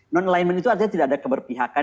non alignment itu artinya tidak ada keberpihakan